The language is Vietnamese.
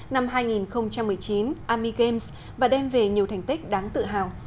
năm hai nghìn một mươi chín army games và đem về nhiều thành tích đáng tự hào